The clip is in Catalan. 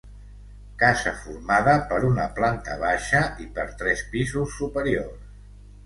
Casa formada per una planta baixa i per tres pisos superiors.